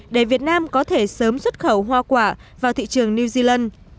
để việt nam có thể sớm xuất khẩu hoa quả vào thị trường new zealand